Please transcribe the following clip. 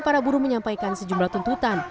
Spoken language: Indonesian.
para buruh menyampaikan sejumlah tuntutan